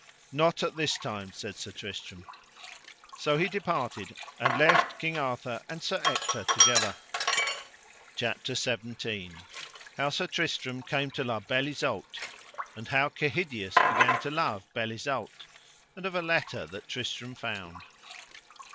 Not at this time, said Sir Tristram. So he departed and left King Arthur and Sir Ector together. CHAPTER XVI. How Sir Tristram came to La Beale Isoud, and how Kehydius began to love Beale Isoud, and of a letter that Tristram found.